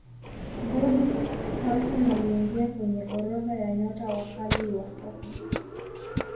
bobby charlton aliingia kwenye orodha ya nyota wakali wa soka